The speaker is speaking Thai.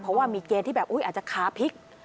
เพราะว่ามีเกณฑ์ที่แบบอาจจะค้าพลิก